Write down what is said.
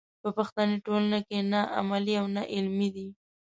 په پښتني ټولنه کې نه عملي او نه علمي دی.